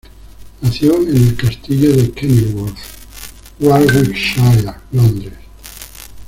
Nació en el castillo de Kenilworth, Warwickshire, Londres.